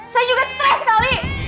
saya juga stres sekali